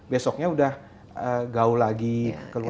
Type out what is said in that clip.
besoknya sudah gaul lagi keluar rumah